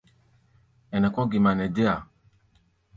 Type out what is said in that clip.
Ɛnɛ kɔ̧́ gima nɛ déa.